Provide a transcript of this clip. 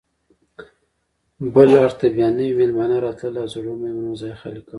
بل اړخ ته بیا نوي میلمانه راتلل او زړو میلمنو ځای خالي کاوه.